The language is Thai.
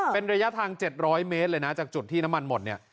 เป็นระยะทาง๗๐๐เมตรเลยนะจากจุดที่น้ำมันหมดเนี่ย